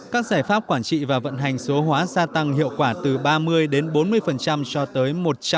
các giải pháp quản trị và vận hành số hóa gia tăng hiệu quả từ ba mươi đến bốn mươi cho tới một trăm linh